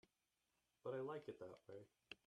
But I like it that way.